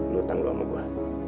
lo tangguh sama gue